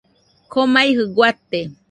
Komaijɨ guate